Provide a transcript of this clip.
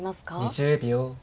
２０秒。